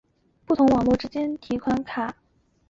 而不同网络之间的提款卡互用会收取跨网服务费。